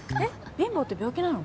貧乏って病気なの？